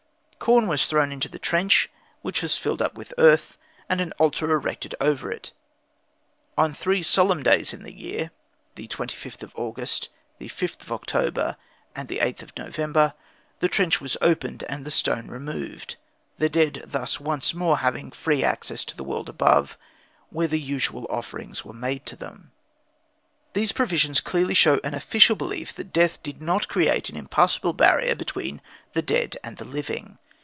Corn was thrown into the trench, which was filled up with earth, and an altar erected over it. On three solemn days in the year August 25, October 5, and November 8 the trench was opened and the stone removed, the dead thus once more having free access to the world above, where the usual offerings were made to them. These provisions clearly show an official belief that death did not create an impassable barrier between the dead and the living.